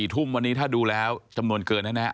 ทุ่มวันนี้ถ้าดูแล้วจำนวนเกินแน่